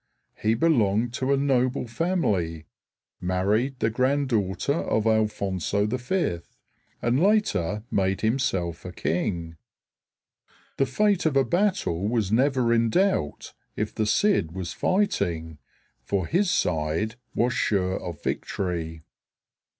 He belonged to a noble family, married the granddaughter of Alfonso V, and later made himself a king. The fate of a battle was never in doubt if the Cid was fighting; for his side was sure of victory.